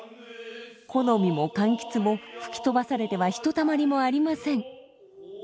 木の実も柑橘も吹き飛ばされてはひとたまりもありません。